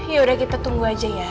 yaudah kita tunggu aja ya